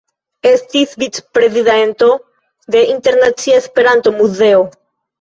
Estis vicprezidento de Internacia Esperanto-Muzeo.